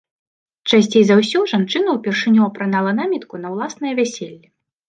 Часцей за ўсё жанчына ўпершыню апранала намітку на ўласнае вяселле.